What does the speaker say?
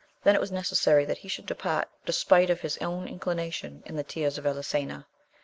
Then it was necessary that he should depart, despite of his own inclination, and the tears of Elisena.